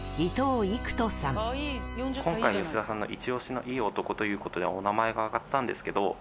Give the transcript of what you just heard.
今回、吉田さん一押しのいい男ということで、お名前が挙がったんですけど。